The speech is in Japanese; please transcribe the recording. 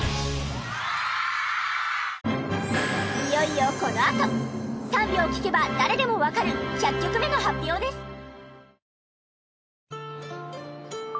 いよいよこのあと３秒聴けば誰でもわかる１００曲目の発表です。